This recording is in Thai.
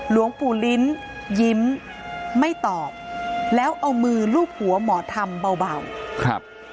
หลวงปู่ลิ้นยิ้มไม่ตอบแล้วเอามือลูบหัวหมอธรรมเบาครับ